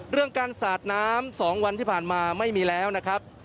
เรื่องการสาดน้ำ๒วันที่ผ่านมาไม่มีแล้วนะครับ